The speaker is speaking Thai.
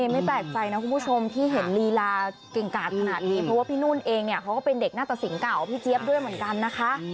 ไม่แปลกใจนะคุณผู้ชมที่เห็นลีลาเก่งกาดขนาดนี้เพราะว่าพี่นุ่นเองเนี่ยเขาก็เป็นเด็กหน้าตะสินเก่าพี่เจี๊ยบด้วยเหมือนกันนะคะ